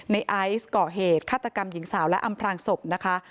ในไอซ์ก่อเหตุฆาตกรรมหญิงสาวและอำพลางศพนะคะ